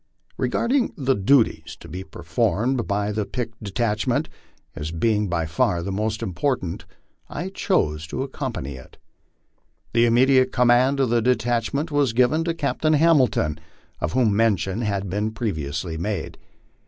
Regarding the duties to be performed by the picked detach ment as being by far the most important, I chose to accompany it. The immediate command of the detachment was given to Captain Hamil jon, of whom mention has been previously made.